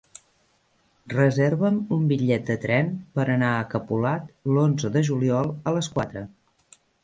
Reserva'm un bitllet de tren per anar a Capolat l'onze de juliol a les quatre.